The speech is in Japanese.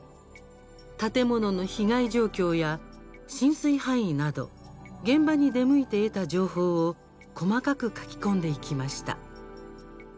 建物の被害状況や、浸水範囲など現場に出向いて得た情報を細かく書き込んでいきました。